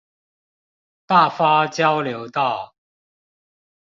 大發交流道